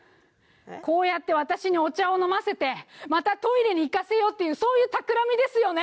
こうやって私にお茶を飲ませてまたトイレに行かせようっていうそういうたくらみですよね？